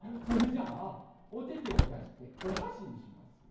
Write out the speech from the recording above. それじゃあおててをだしておはしにします。